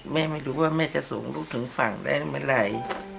ไม่รู้ว่าแม่จะส่งลูกถึงฝั่งได้เมื่อไหร่